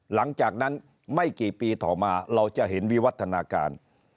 หลังจากนั้นไม่กี่ปีต่อมาเราจะเห็นวิวัฒนาการ